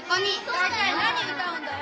大体何歌うんだよ？